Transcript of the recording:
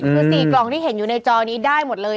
คือ๔กล่องที่เห็นอยู่ในจอนี้ได้หมดเลย